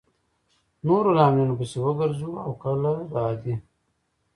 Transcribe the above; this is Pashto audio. نورو لاملونو پسې وګرځو او کله د عادي